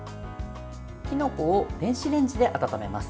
きのこを電子レンジで温めます。